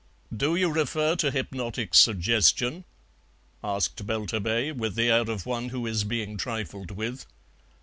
"Do you refer to hypnotic suggestion?" asked Belturbet, with the air of one who is being trifled with.